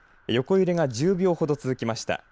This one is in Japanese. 横揺れが１０秒程続きました。